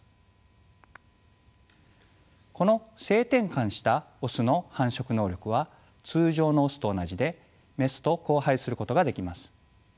この性転換したオスの繁殖能力は通常のオスと同じでメスと交配することができます。